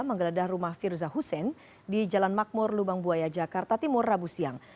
menggeledah rumah firza hussein di jalan makmur lubang buaya jakarta timur rabu siang